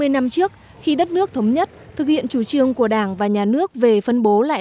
sáu mươi năm trước khi đất nước thống nhất thực hiện chủ trương của đảng và nhà nước về phân bố lại